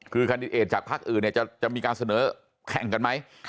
คือคณิตเอกจากภักดิ์อื่นเนี่ยจะมีการเสนอแข่งกันไหม